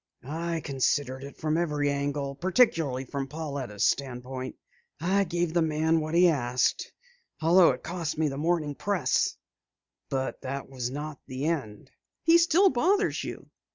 "I considered it from every angle, particularly from Pauletta's standpoint. I gave the man what he asked, although it cost me the Morning Press. But that was not the end." "He still bothers you?"